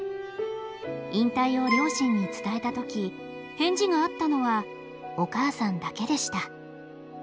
引退を両親に伝えた時返事があったのはお母さんだけでした。